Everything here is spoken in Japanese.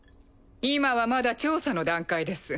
今はまだ調査の段階です。